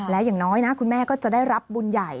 และอย่างน้อยนะคุณแม่ก็จะได้รับบุญใหญ่